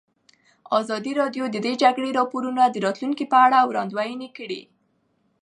ازادي راډیو د د جګړې راپورونه د راتلونکې په اړه وړاندوینې کړې.